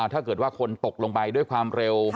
ถ้าเกิดว่าคนตกลงไปด้วยความเร็ว